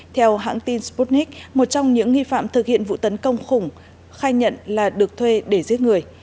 theo hãng tin sputnik một trong những nghi phạm thực hiện vụ tấn công khủng khai nhận là được thuê để giết người